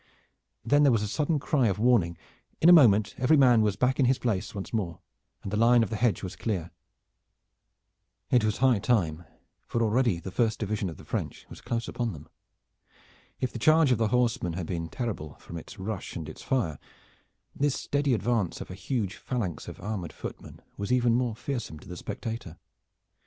Then there was a sudden cry of warning. In a moment every man was back in his place once more, and the line of the hedge was clear. It was high time; for already the first division of the French was close upon them. If the charge of the horsemen had been terrible from its rush and its fire, this steady advance of a huge phalanx of armored footmen was even more fearsome to the spectator.